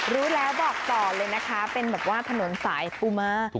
รู้แล้วบอกต่อเลยนะคะเป็นแบบว่าถนนสายปูมา